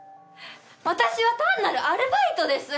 私は単なるアルバイトです！